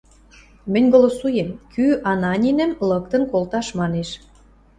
— Мӹнь голосуем: кӱ Ананинӹм лыктын колташ манеш?